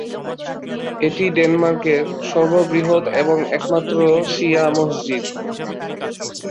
এটি ডেনমার্কের সর্ববৃহৎ এবং একমাত্র শিয়া মসজিদ।